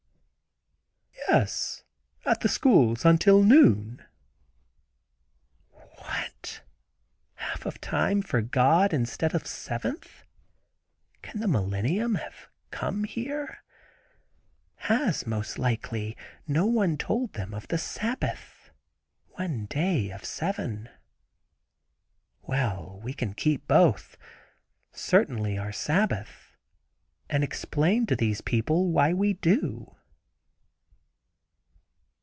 "Yes; at the schools until noon." What! half of time for God, instead of seventh? Can the millennium have come here? Has, most likely, no one told them of the Sabbath? One day of seven? Well, we can keep both—certainly our Sabbath, and explain to these people why we do.